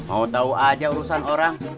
mau tahu aja urusan orang